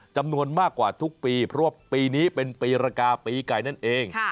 จำนวนมากกว่าทุกปีเพราะว่าปีนี้เป็นปีรกาปีไก่นั่นเอง